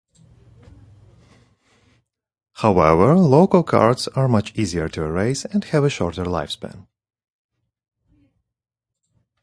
However, LoCo cards are much easier to erase and have a shorter lifespan.